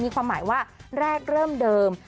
ความหมายว่าแรกเริ่มเดิม